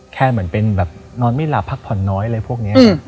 เหมือนเป็นแบบนอนไม่หลับพักผ่อนน้อยอะไรพวกนี้